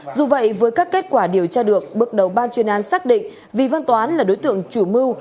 dù vậy với các kết quả điều tra được bước đầu ban chuyên án xác định vi văn toán là đối tượng chủ mưu